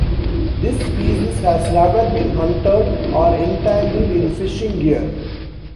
This species has never been hunted or entangled in fishing gear.